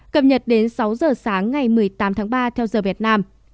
cập nhật đến sáu giờ sáng ngày một mươi tám tháng ba theo giờ việt nam